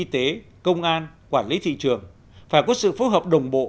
tăng cường phải có sự phối hợp đồng bộ